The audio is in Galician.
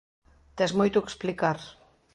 Tes moito que explicar.